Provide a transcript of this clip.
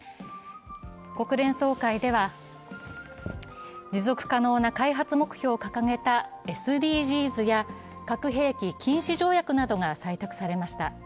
国連総会では持続可能な開発目標を掲げたＳＤＧｓや核兵器禁止条約などが採択されました。